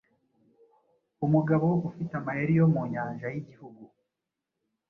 Umugabo ufite amayeri yo mu nyanjayigihugu